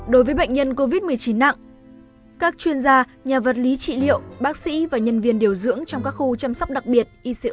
đối với bệnh nhân covid một mươi chín nặng các chuyên gia nhà vật lý trị liệu bác sĩ và nhân viên điều dưỡng trong các khu chăm sóc đặc biệt